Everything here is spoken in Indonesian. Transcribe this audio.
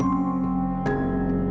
kamu mau minum obat